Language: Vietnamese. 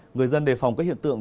người dân đề phòng các hiện tượng